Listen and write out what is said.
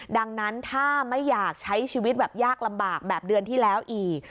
ดังนั้นถ้าไม่อยากใช้ชีวิตแบบยากลำบากแบบเดือนที่แล้วอีก